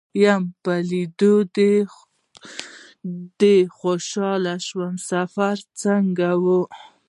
ويم په ليدو دې خوشاله شوم سفر څنګه و.